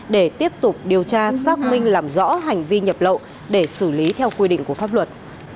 để tiếp tục điều tra xác minh làm rõ hành vi nhập lậu để xử lý theo quy định của pháp luật